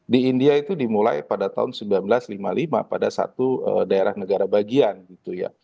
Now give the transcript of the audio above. di india itu dimulai pada tahun seribu sembilan ratus lima puluh lima pada satu daerah negara bagian gitu ya